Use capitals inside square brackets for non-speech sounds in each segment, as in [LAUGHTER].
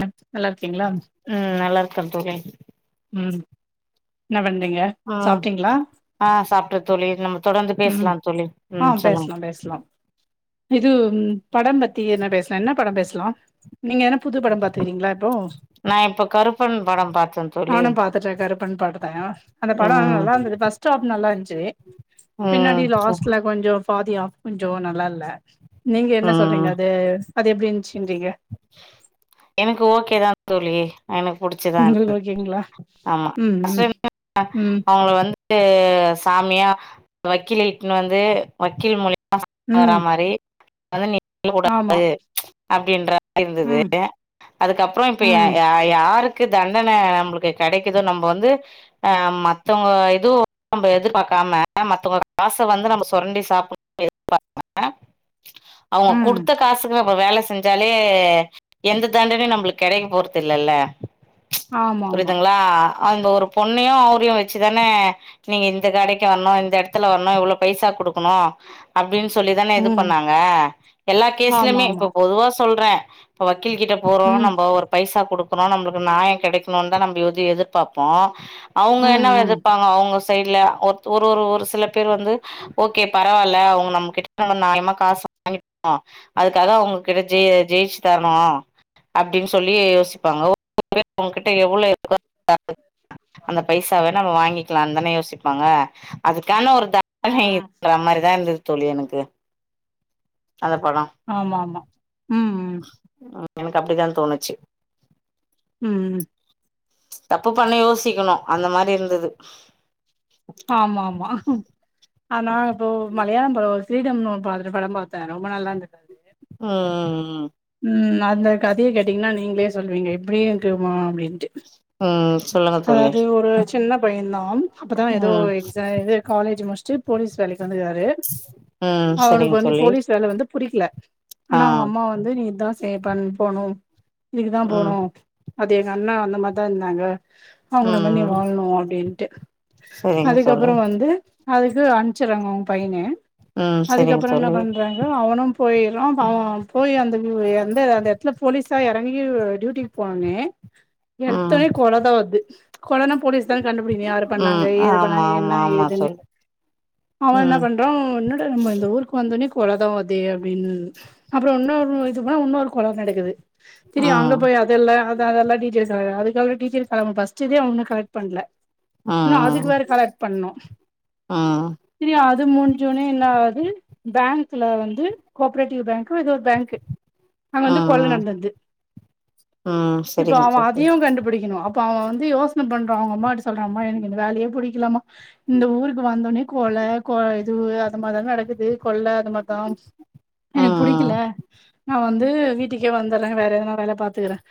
ம நல்லாருக்கீங்களா அ நல்லா இருக்க தோழி ம் என்ன பண்டீங்க ம் ஆ சாப்ட்டே தோழி நம்ம தொடந்து பேசலாம் தோழி ம் சொல்லுங் பேஸ்லா இது ம்படம் பத்தி என்ன பேசலா என்ன பட பேசலா நீங்க என்ன புது படோ பாத்துறீங்களா இப்போ புன் படம் பாத்து நானு பாத்துடே கருப்பன் படத்த அந்த படோ ஆனா ம் நல்லா இருந்துது பஸ்ட ஆப் நல்லா இருந்துச்சு பின்னாடி ம் லாஸ்ட்ல கொஞ்சோ ஃபாதி ஆஃப் கொஞ்சோ நல்லா இல்ல நீங்க என்ன ம் சொல்றீங்க அது அது எப்டி இருஞ்சுன்றீங்க எனக்கு ஓக்கேதா தோழி எனக் புடிச்சதா உங்களுக்கு இருந்து ஓகேங்களா ஆமா [INAUDIBLE] ம் ம் ம் அவுங்க வந்து து சாமியா வக்கில் இட்னு வந்து வக்கீல் மூலி [INAUDIBLE] வர வேற ம் மாரி பதினி [INAUDIBLE] ஆமா கூடாது அப்டின்ற இருந்தது ம் அதுக்கப்றோ இப்ப ஏ ம் அ யாருக்கு தண்டனை நம்மளுக்கு கிடைக்குதோ நம்ம வந்து அ மத்தவங்க இதுவு நம்ம எதிர்பாக்காம மத்தவங்க காச வந்து நம்ம சுரண்டி சாப்டனு எதிர்பாக்காம அவுங்க ம் குடுத்த காசுக்கு நம்ம வேல செஞ்சால லே எந்த தாண்டனயு நம்ளுக்கு கெடைக்க போறது இல்லல்ல ஆமா ஆமா புரியுதுங்களா அந்த ஒரு பொண்ணையு ஊர்ல வச்சுதானே நீங்க இந்த கடைக்கு வரணு இந்த இடத்துல வரணு இவ்ளோ பைசா குடுக்கணு அப்டின்னு சொல்லிதானே இது ம் பண்ணாங்க எல்லா ஆமா கேஸ்லயுமே ஆமா இப்ப பொதுவா சொல்றே இப்ப வக்கீல் கிட்ட போறோ ம் நம்ப ஒரு பைசா குடுக்கறோ நம்மளுக்கு நாயோ கெடைக்கணுனுதா நம்ம எது எதிர்பாப்போ அவுங்க ம் என்ன ம் எதிர்ப்பாங்க அவுங்க சைட்ல ஒரு ஒரு ஒரு ஒரு சில பேர் வந்து ஓகே பரவால்ல அவுங்க நம்ம கிட்ட நம்ம நாயமா காசு வாங் [INAUDIBLE] அதுக்காக அவுங்க கிட்ட ஜெய ஜெயிச்சு தரணு அப்டின்னு சொல்லி யோசிப்பாங்க [INAUDIBLE] உங்ககிட்ட எவ்ளோ [INAUDIBLE] அந்த பைசாவ நம்ம வாங்கிக்கலானுதானே யோசிப்பாங்க அதுக்கான ஒரு ஆமா [INAUDIBLE] மாரி தா இருந் தோழி எனக்கு அந்த பணோ ஆமா ஆமா ம் ம் ம் எனக்கு அப்டிதா தோணுச்சு ம் தப்பு பண்ண யோசிக்கணும் அந்த மாதிரி இருந்தது ஆமா ஆமா ஆனா இப்போ மலையாளம் போ ஸ்ரீடம்னு படம் பாத்தேன் ரொம்ப நல்லா இருந்தது அது ஆ ஆ ஆ ம் அந்த கதைய கேட்டீங்கன்னா நீங்களே சொல்லுவீங்க எப்டி இருக்குமா அப்டின்ட்டு ம் சொல்லுங்க தோழி அதாவது ஒரு சின்ன பையன் தான் அப்பதான் ஏதோ ம் எக்ஸாம் இது காலேஜ் முடிச்சுட்டு போலீஸ் வேலைக்கு வந்துருக்காரு ம் அவனுக்கு சரிங்க வந்து தோழி போலீஸ் வேல வந்து புடிக்கல ஆ ஆனா அவுங்க அம்மா வந்து அது நீதான் செய்ய பன் போனும் இதுக்கு தான் ம் போணும் அது எங்க அண்ணா அந்த மாதிரிதான் இருந்தாங்க அவுங்கள பண்ணி ம் வாழனும் அப்படின்ட்டு சரிங்க தோழி அதுக்கப்புறம் வந்து வந்து அதுக்கு அனுப்ச்சிறாங்க அவுங்க பையன ம் சரிங்க அதுக்கப்புறம் என்ன தோழி பண்றாங் வந்து அவனும் போயிறான் அவன் போய் அந்த ம் எந்த அந்த இடத்துல போலீஸ் தா இறங்கி டியூட்டிக்கு போன்னே ம் எடுத்தொன்னே கொல தான் வந்துச்சி கொலனா போலீஸ் தான் கண்டுபிடிங்க யாரு பண்ணாங்க ம் ஏது ஆமா பண்ணாங்க என்ன ஆமா ஆமா ஏதுன்னு தோழி அவன் என்ன ம் பண்றான் என்னாட நம்ம இந்த ஊருக்கு வந்தொனட கொலதா அதே அப்டின்னு அப்புற இன்னொ இது பன்னா இன்னொரு ககாடு நடக்குது தெரியும் ம் அங்க போய் அதெல்லா அதா அதெல்லா டிடிஎஸ் ஆகாது அதுக்காக டிடிஎஸ் ஃபர்ஸ்டு இதே அவன கலக்ட் பண்ணல இன்னும் அதுக்கு ம் வேற கலெக்ட் பண்ணும் ம் ம் சரியா அது முடிஞ்சோனே என்ன ஆகுது பேங்க்ல வந்து கோஆப்ரேட்டிவ் பேங்க் எதோ ஒரு பேங்க்கு அங்க வந்து கொல ம் நடந்தது ம் இப்ப சரிங்க அவன் தோழி அதையும் கண்டுபிடிக்கணும் இப்ப அவன் வந்து யோசன பண்றா அவுங்க அம்மாட்ட சொல்றா அம்மா எனக்கு இந்த வேலையே பிடிக்கலாமா இந்த ஊருக்கு வந்தொன்னே கொல கொ இது அது மாதிரிதா நடக்குது கொள்ள அது மாதிரிதான் எனக்கு ம் புடிக்கல நா வந்து வீட்டுக்கே வந்துறேன் வேற ஏதனா வேலை பாத்துக்குறேன்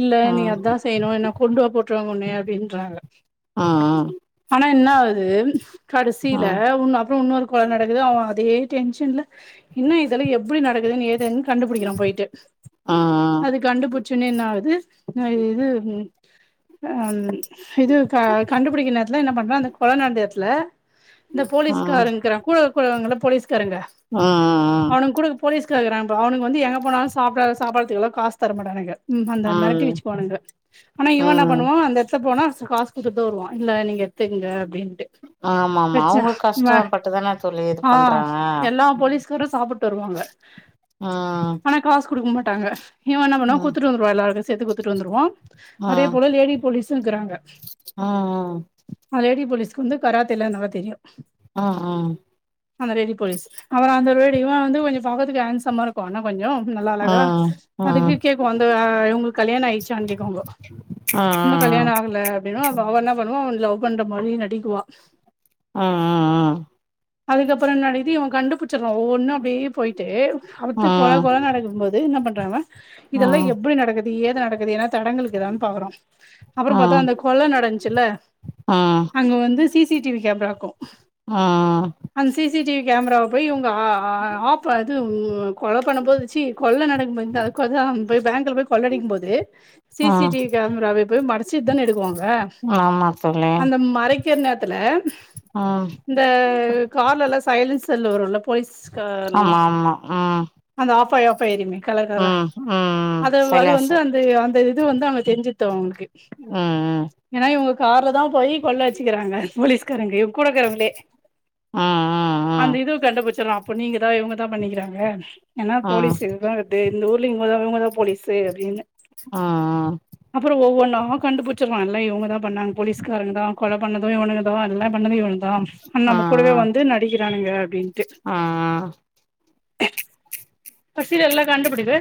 இல்ல ம் நீ ம் அதான் செய்யணும் என்ன கொண்டுவா போட்ருவாங்க உன்னய அப்டின்றாங்க ஆ ஆ ன்னா என்ன ஆகுது ஆ கடைசில உன் அப்ற இன்னொரு கொல நடக்குது அவன் அதே டென்ஷன்ல என்ன இதெல்லாம் எப்படி நடக்குதுன்னு ஏதுன் படிக்கிறா போயட்டு ஆ அது கண்டுபிடிச்சொன்னே என்ன ஆகுது இது ம் இது க கண்டுபிடிக்க நேரத்துல என்ன பண்றா அந்த கொல நடந்த இடத்துல இந்த ஆ போலீஸ்காரங்க இருக்குறாங் கூழ கூழ வருவாங்கல்ல போலீஸ்காரங்க ஆ அவனுக்கு கூட போலீஸ்காரங்க இருக்குறானுக இப்ப அவனுக்கு வந்து எங்க போனாலும் சாப்பிட சாப்புடுறதுக்குல்லா காசு தர மாட்டானுங்க ம் அந்த ஆ மெரட்டி வச்சுப் பானுங்க ஆனா இவன் என்ன ம் பண்ணுவா அந்த இடத்த போனா காசு புது டோர் வா இல்ல நீங்க எடுததுக்குங்க அப்டின்ட்டு ஆமாமா பிரச்சன அவுங்க வ கஷ்டப்பட்டுதான தோழி இது ஆ பண்றாங்க எல்லா போலீஸ்காரும் சாப்புட்டு வருவாங்க ஆ ஆனா காசு குடுக்க மாட்டாங்க இவ என்ன பண்ணா குத்துட்டு வந்துருவா எல்லாருக்கு சேத்து குத்துட்டு வந்துருவோ அதே போல லேடி போலீஸு இருங்கிறாங்க ஆ ஆ அ லேடி போலீஸ்க்கு வந்து கராத்தேல்லா நல்லா தெரியும் ஆ ஆ அந்த ரேடி போலீஸ் அப்ற அந்த ரௌடி வந்து கொஞ்ச பாக்கத்துக்கு ஹேன்சமா இருக் போன கொஞ்சம் நல்லா அழகா ம் ம் அதுக்கு ம் கேக்கும் அந்த இவுங்களுக்கு கல்யாணம் ஆயிடுச்சான்னு கேக்குவாங்க ஆ ஆ ஆ ஆகல அப்டின்னுவா அவ என்ன பண்ணுவா அவன லவ் பண்ற மாரி நடிக்குவா ஆ ஆ ஆ அதுக்கப்பறம் என்ன நடக்குது இவன் கண்டுபிச்சிறா ஒவ்வொன்னும் அப்டியே போயிட்டே கொல ம் கொல நடக்க போது என்ன பண்றாங்க ம் இதெல்லா எப்டி நடக்குது ஏது நடக்குது ஏன்னா தடங்களுக்குதான் பாக்குறோம் அப்புறோ பாத்தா ம் அந்த கொல நடந்ச்சில ம் அங்க வந்து சி சி டி வி கேமரார்க்கூ ஆ அந்த சி சி டி வி கேமராவ போய் இவங்க ஆ ஆ ஆஃப் அது உ கொல பண்ணம்போது சீ கொள்ள நடக் [UNINTELLIGIBLE] பேங்குல போய் கொள்ளடிக்கும் போது சி சி டி வி கேமராவை போய் மறைச்சிட்டுதான எடுக்குவாங்க ஆ சொல்லு என்னத்துல அ இந்த கார்லலா சைலன்ஸெல்ல வருல்ல போலீஸ் கார்லா ஆமா ஆமா ம் அந்த ஆஃப்பாய் ஆஃபாயெரியுமே கலர் கலரா ம் ம் அதவ் அது சரியா வந்து சொல் அந்தய் அந்த இது வந்து அங்க தெரிஞ்சிர்து அவங்கள்க்கு ஆ ஆ ஏன்னா இவங்க கார்ல தா போய் கொள்ள அடிச்சுக்கிறாங்க போலீஸ்காரங்க இவ கூடக்கிறவங்களே ம் ம் அந்த ம் இதுவு கண்டுபிடிச்சிரலா அப்போ நீங்க தா இவங்கதா பண்ணிக்கிறாங்க ஏனா ம் போலீஸ் இதுதா வருது இந்த ஊர்ல இவங்கதா இவங்கதா போலீஸு அப்டீன்னு அ அ அப்பறம் ஒவ்வொன்னா கண்டுபிச்சுடுவான் இல்ல இவங்கான் பண்ணா போலீஸ்காரங்கதான் கொல பண்ணதும் இவனுங்க எல்லா பண்ணது இவதா நம்ம கூடவே வந்து நடிக்கிறானுங்க அப்டின்ட்டு ஆஹ் பசீல் எல்லா கண்டுபிடிது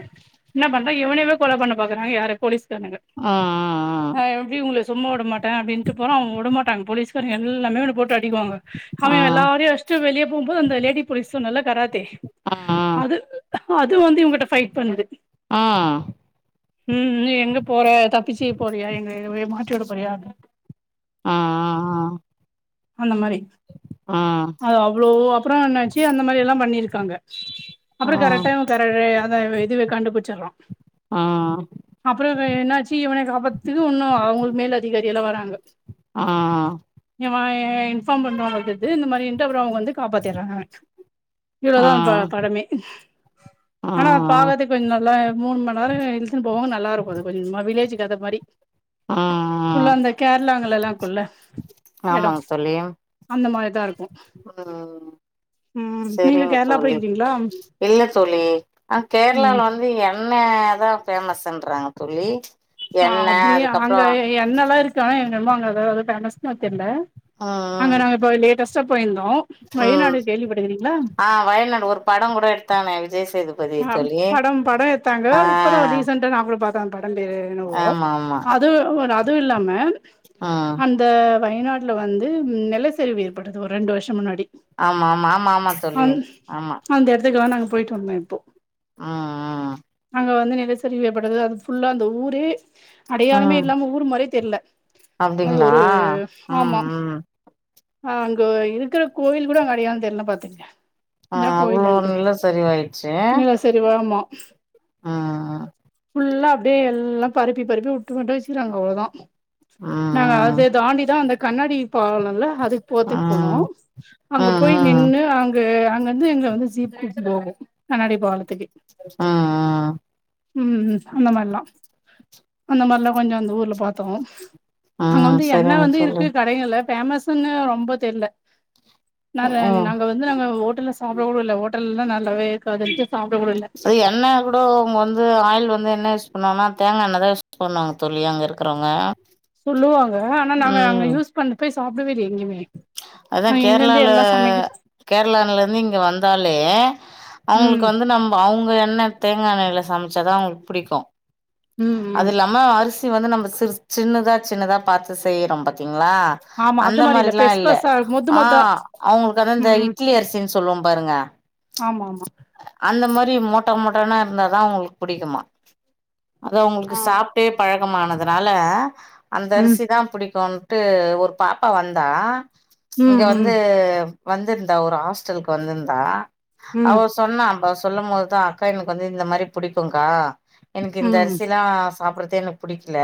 என்ன பண்றா இவனேவே கொல பண்ண பாக்குறா யாரு போலீஸ்காரனுங்க அ அ நா எப்டி உங்களை சும்மா விட மாட்டே அப்டின்ட்டு போறா அவங்க உடமாட்டாங்க போலீஸ்காரங்க எல்லாமே இவன போட்டு அடிக்குவாங்க ஆ அவ எல்லாரையு அடிச்ட்டு வெளியப் போம்போது அந்த லேடி போலீஸ் சொன்னல்ல கராத்தே ஆஹா அது அது வந்து இவங்கிட்ட ஃபைட் பண்ணுது ஆ ம் நு எங்க போற தப்பிச்சி போறையா எங்கள எங்கவே மாட்டிவுட போறையா அப் அ அ அ அந்த மாரி ம் அது அவ்வளோ அப்பறம் என்னாச்சு அந்த மாரி எல்லா பண்ணிருக்காங்க ஆ அப்பறம் கரெக்டா தர அத இதுவே கண்டுபிச்சிறோம் ஆ அப்பறம் என்னாச்சு இவன காப்பாத்துக்கு இன்னும் அவங்களுக்கு மேல அதிகாரி எல்லா வராங்க ஆஹ் வாயே இன்ஃபார்ம் பண்ணுவாங்க தெரிது இந்த மாரி இன்டவுரவுங்க வந்து காப்பாத்திர்றாங்க ஆ இவ்ளோதா அந் ப படமே ஆனா பாவது வின் நல்லாய் மூணு மண் நேரோ இழுத்துனு போவாங்க நல்லா இருக்கு அது கொஞ்ச கொஞ்சமா வில்லேஜி கத மாரி ஆ ஃபுல்லா அந்த கேரளாங்கலைலா இருக்குள்ள ஆமாங்க தோழி அந்த மாரிதா இருக் ஆ நீங்க சரிங்க கேரளா தோழி போய்க்கிறீங்களா இல்ல தோழி அ ம் கேரளாவால வந்து என இண்ணெ அதா ஃபேமஸுன்றாங்க தோழி ஆ எண்ணெ அப்டியே அங்க அதுக்கப்றோ என்னல்லா இருக்கு ஆனா எனக்கென்னமோ அங்க வேறெது ஃபேமஸா தெர்ல அங்க ம் நாங்க இப்ப லேட்டஸ் ச போயிருந்தோ ம் வயநாடு கேள்விப்பட்டுக்கிறீங்களா ஆ வயல்நாடு ஒரு படங்கூட எடுத்தானே விஜய் சேது ஆ படம் பட எட்தாங்க இப்பதா ஒரு ரீசண்டா நா கூட பாத்தே அந்த படம் பேரு என்னவோ ஆமா அதுவு ஒரு அதுவு இல்லாம ஆ இந்த வயநாட்ல வந்து ம் நெலச்சரிவு ஏற்பட்டது ஒரு ரெண்டு வர்ஷ முன்னாடி ஆமா ஆமா ஆமா ஆமா தோழி அந் ஆமா அந்த எடத்துக்குலா நாங்க போயிட்டு வந்தோ இப்போ ஆ ஆ அங்க வந்து நிலச்சரிவு ஏற்ப்பட்டது அது ஃபுல்லா அந்த ஊரே ம் அடையாளமே ம் இல்லாம ஊர் மாரியே தெர்ல அது அப்டிங்களா ஒரு ம் ஆமா ம் ஆ அங்க இருக்கிற கோவில் கூட அங்க அடையாள தெர்ல்னா பாத்துக்குங்க ஆ அவ்ளோ நிலசரிவாயிருச்சு தெரி வேகமா ஆ ஆ ஆ ஃபுல்லா அப்டியே எல்லா பரப்பி பரப்பி வுட்டு மட்டு வெச்சுக்குறாங்க அவ்ளோதா நாங்க ம் அத தாண்டிதா அந்த கண்ணாடி பாலல்ல அதுக் ம் போத்திட் போனோ ம் அங்க போய் ம் நின்னு அங் கு அங்க வந்து எங்கள வந்து ஜீப் கூட்டுப் போகு கண்ணாடி பாலத்துக்கு ஆ ஆ ம் ம் அந்த மார்லா அந்த மார்லா கொஞ்ச அந்த ஊர்ல பாத் பாத்தோ அங்க ம் வந்து என்ன சரிங்க வந்து தோழி இருக்கு கடையு இல்ல பேமஸ் சின்ன பொண்ணு ரொம்ப தெர்ல நற ம் நாங்க வந்து வந்து நாங்க ஹோட்டல சாப்ட கூட இல்ல ஹோட்டல்லா நல்லாவே இருக்காதுன்ட்டு சாப்ட கூட இல்ல சரி எண்ணெ கூட அவுங்க வந்து ஆயில் வந்து என்ன யூஸ் பண்ணுவாங்கன்னா தேங்க எண்ணெதா யூஸ் பண்ணுவாங்க தோழி அங்க இருக்றவங்க சொல்லுவாங்க ஆனா நாங்க அங்க யூஸ் பண்ணபே சாப்டவே இல்லியே எங்கியுமே அதா கேரளால கேரளான்ல இருந்து இங்க வந்தாலே அவுங்களுக்கு ம் வந்து நம்ம அவுங்க என்ன தேங்காய் என்னைல சமைச்சாதான் அவுங்ளுக்கு புடிக்கு ம் அது ம் இல்லாம அரிசி வந்து நம்ம சிறு சின்னதா சின்னதா பாத்து செய்யறோ பாத்திங்ளா ஆமா அது அந்த மாரி மாரிலா பெருசு இல்ல பெருசா மொத்து அ மொத்தா அவுங்ளுக்கு அதா இந்த ம் இட்லி அரிசின்னு சொல்லுவோ பாருங்க ஆமா ஆமா அந்த மாரி மோட்டா மோட்டானா இருந்தாதா அவுங்ளுக்கு புடிக்குமா அத அவுங்ளுக்கு ஆ சாப் ப்டே பழக்கமானதுனால அந்த ம் அரிசி தா புடிக்கு ட்டு ஒரு பாப்பா வந்தா ம் இங்க வந்து ம் வந்துர்ந்தா ஒரு ஹாஸ்டலுக்கு வந்துர்ந்தா ம் அவ சொன்ன அ சொல்லு போதுதா அக்கா எனக்கு வந்து இந்த மாதிரி புடிக்குக்கா எனக்கு ம் இந்த அரிசிலா சாபபுட்றதே எனக்கு புடிக்கல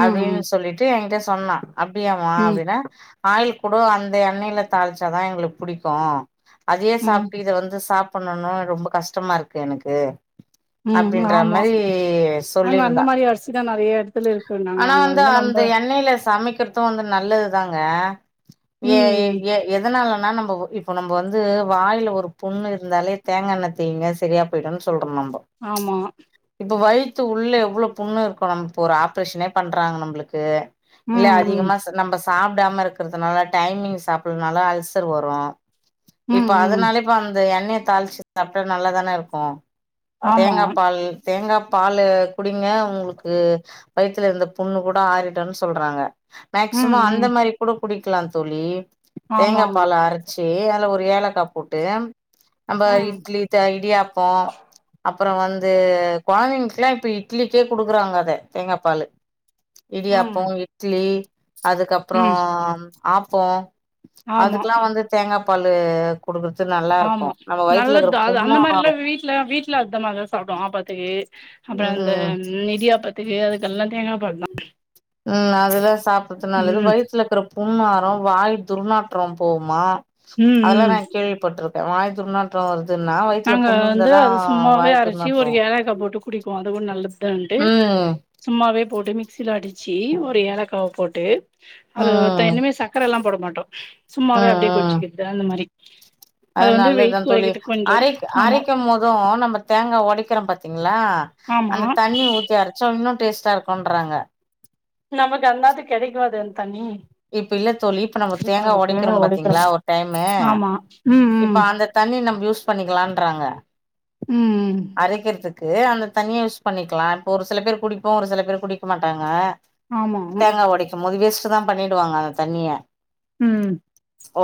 ம் அப்டின்னு சொல்ட்டு எகிட்ட சொன்னா அப்டியாமா ம் அப்டின்னா ஆயள் கூட அந்த எண்ணைல தாளிச்சாதா எங்ளுக்கு புடிக்கு அதையே ம் சாப்ட்டு இத வந்து சாப்புட்ணுனு ரொம்ப கஷ்டமா இருக்கு எனக்கு [INAUDIBLE] ம் அப்டின்ற ஆமா மாரி அங்க சொல்லியிருந்தா அந்த மாதிரி அரிசிதான் நெறைய இடத்துல இருக்கு நாங்க ஆனா அங்க வந்து நம்ப அந்த எண்ணெயில சமைக்கிறதும் வந்து நல்லது தாங்க ஏ ம் ஏ எதனாலன்னா நம்ம இப்போ நம்ம வந்து வாயில ஒரு புண்ணு இருந்தாலே தேங்கா எண்ண தேய்ங்க சரியா போயிடும்ன்னு சொல்றோ நம்ப ஆமா இப்ப வயித்து உள்ள எவ்வளோ புண்ணு இருக்கும் நம்ம இப்போ ஒரு ஆப்ரேஷனே பண்றாங்க நம்மளுக்கு இல்ல ம் ம் அதிகமா ச நம்ப சாப்டாம இருக்கறதுனால டைமிங் சாப்பில்லனாலு அல்சர் வரு இப்ப ம் ம் அதனால இப்ப அந்த எண்ணெய தாழிச்சு சாப்டா நல்லாதான இருக்கு ஆமா தேங்கா பால் தேங்கா பாலு குடிங்க உங்களுக்கு வயித்ல இருந்த புண்ணு கூட ஆறிடுன் சொல்றாங்க ம் மேக்சிம அந்த ம் மாரி கூட குடிக்கலா தோழி ஆமா தேங்கா ஆமா பால அரைச்சி அதுல ஒரு ஏலக்கா போட்டு அந்த ம் இட்லி த இடியாப்போ அப்புறோ வந்து கொழந்தைங்களுக்குலா இப்ப இட்லிக்கே குடுக்குறாங்க அத தேங்கா பாலு ம் இடியாப்போ இட்லி அதுக்கப்றோ ம் ஆப்போ ஆமா அதுக்குலா வந்து தேங்கா பாலு குடுக்குறது நல்லார்க்கு ஆமா நம்ம வயித்ல இருக்கற புண்னு ஆறு இல்ல வீட்ல அந்த மாதிரிதா சாப்டுவோ ஆப்பத்துக்கு அப்றோ அந்த ம் இடியாப்பத்துக்கு அதுக்கெல்லா தேங்கா பால்தா ம் அதெல்லா சாப்றது நல்லது ம் வயித்ல இருக்ற புன் ஆறு வாய் துர்நாற்ற போமா ம் அதெல்லா ம் நா கேள்விப்பட்ருக்கே வாய் துர்நாற் துர்நாற்ற வருதுன்னா வயித்ல நாங்க புண்ணு வந்து இருந்தாதா அது சும்மாவே வாய் அரச்சி ஒரு துர்நாற்றோ ஏலக்கா போட்டு குடிக்குவோ அது கூட நல்லதுதான்ட்டு ம் சும்மாவே போட்டு மிக்சில அடிச்சி ஒரு ஏலக்காவ போட்டு அது ம் [UNINTELLIGIBLE] சக்கரலா போட மாட்டோ ம் சும்மாவே அப்டியே ம் குடிச்சிகிது அந்த மாரி அது வந்து வெய்ட் கொறைக்கிறதுக்கு கொஞ்சோ ஆமா அரைக்கும்போதோ நம்ம தேங்கா ஒடக்கிறோ பாத்தீங்களா ஆமா அந்த தண்ணி ஊத்தி அரைச்சா இன்னு டேஸ்டா இருக்குன்றாங்க நமக்கு அன்னாத்துக்கு கெடைக்காது அந்த தண்ணி இப்ப இல்ல தோழி இப்ப நம்ம தேங்கா ஒடைக்கிறோ பாத்தீங்களா ஒரு டைமு ஆமா ம் இப்ப ம் அந்த தண்ணி நம்ம யூஸ் பண்ணிக்கலான்றாங்க ம் ம் அரைக்கிறதுக்கு அந்த தண்ணிய யூஸ் பண்ணிக்கலா இப்ப ஒரு சில பேர் குடிப்போ ஒரு சில பேர் குடிக்க மாட்டாங்க ஆமா தேங்கா ஒடைக்கும்போது வேஸ்ட்டுதா பண்ணிடுவாங்க அந்த தண்ணிய ம்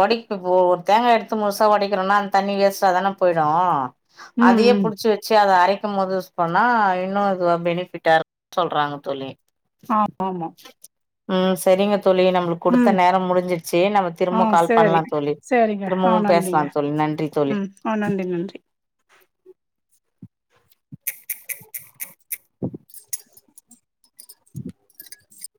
ஒடைக்கு ஒரு தேங்காய் எடுத்து முழுசா ஒடைக்கிறோனா அந்த தண்ணி வேஸ்டாதானே போய்டு ம் அதையே ம் புடிச்சி வ ச்ச அத அரைக்கும்போது யூஸ் பண்ணா இன்னோ இதுவா பெனிஃபிட்டா இருக்கு சொல்றாங்க தோழி ஆமாமா ம் செரிங்க தோழி நம்மளுக்கு குடுத்த ம் நேர முடிஞ்சிச்சி நம்ம ஆ திரும்ப கால் சேரி பண்லா தோழி சேரிங்க ஆ திரும்பவு பேசலா நன்றிங்க தோழி நன்றி தோழி ம் ஆ நன்றி நன்றி